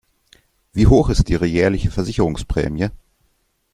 Wie hoch ist ihre jährliche Versicherungsprämie?